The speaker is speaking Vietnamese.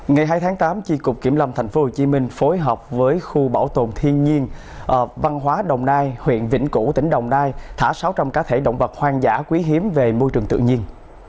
ngày hai tháng tám chi cục kiểm lâm tp hcm phối hợp với khu bảo tồn thiên nhiên văn hóa đồng nai huyện vĩnh củ tỉnh đồng nai thả sáu trăm linh cá thể động vật hoang dã quý hiếm về môi trường tự nhiên